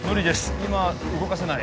今は動かせない